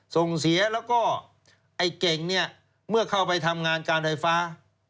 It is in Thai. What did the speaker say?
ส่งเสียแล้วก็ไอ้เก่งเนี่ยเมื่อเข้าไปทำงานการไฟฟ้า